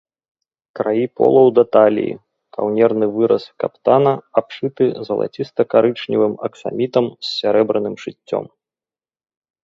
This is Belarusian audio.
Краі полаў да таліі, каўнерны выраз каптана абшыты залацістакарычневым аксамітам з сярэбраным шыццём.